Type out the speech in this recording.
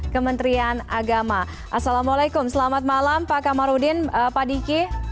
kementerian agama assalamualaikum selamat malam pak kamarudin pak diki